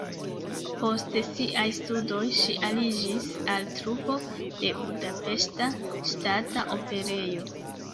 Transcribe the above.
Post siaj studoj ŝi aliĝis al trupo de Budapeŝta Ŝtata Operejo.